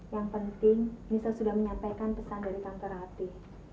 yang penting nisa sudah menyampaikan pesan dari kantor hati